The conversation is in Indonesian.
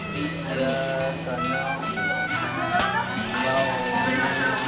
masa depan yang cemerlang